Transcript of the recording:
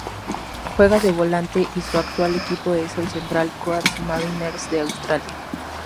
Juega de volante y su actual equipo es el Central Coast Mariners de Australia.